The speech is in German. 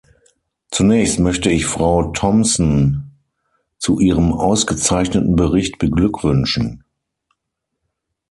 Zunächst möchte ich Frau Thomsen zu ihrem ausgezeichneten Bericht beglückwünschen.